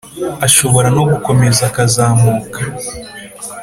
ashobora no gukomeza akazamuka.